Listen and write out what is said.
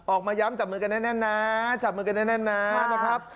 ออกมาย้ำจับมือกันแน่นนะจับมือกันแน่นนะนะครับ